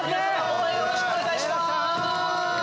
よろしくお願いします。